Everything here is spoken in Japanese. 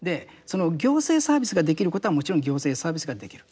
行政サービスができることはもちろん行政サービスができる。